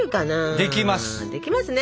できますね！